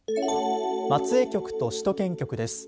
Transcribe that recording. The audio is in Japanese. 松江局と首都圏局です。